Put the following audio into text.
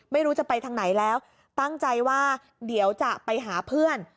ไม่รู้จะไปทางไหนแล้วตั้งใจว่าเดี๋ยวจะไปหาเพื่อน